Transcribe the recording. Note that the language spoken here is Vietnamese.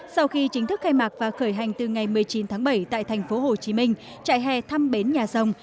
sau khi chính thức khai mạc và khởi hành từ ngày một mươi chín tháng bảy tại thành phố hồ chí minh trại hè thăm bến nhà rồng